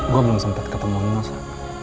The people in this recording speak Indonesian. gue belum sempet ketemu nino sa